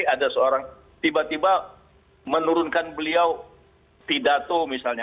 ada seorang tiba tiba menurunkan beliau pidato misalnya